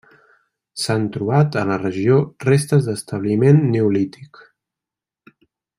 S'han trobat a la regió restes d'establiment neolític.